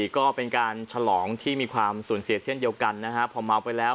ก็เป็นการฉลองที่มีความสูญเสียเช่นเดียวกันนะฮะพอเมาไปแล้ว